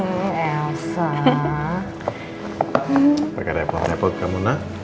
eh elsa pakai repot repot kamu nah